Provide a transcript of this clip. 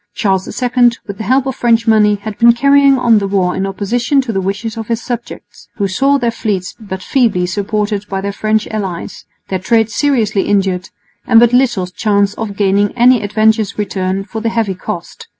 Charles II, with the help of French money, had been carrying on the war in opposition to the wishes of his subjects, who saw their fleets but feebly supported by their French allies, their trade seriously injured, and but little chance of gaining any advantageous return for the heavy cost.